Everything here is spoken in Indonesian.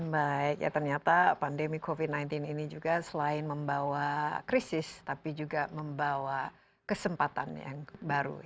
baik ya ternyata pandemi covid sembilan belas ini juga selain membawa krisis tapi juga membawa kesempatan yang baru